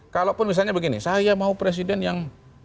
kalaupun misalnya begini saya mau presiden yang